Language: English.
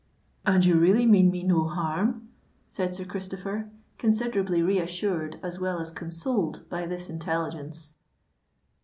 "And you really mean me no harm?" said Sir Christopher, considerably reassured as well as consoled by this intelligence.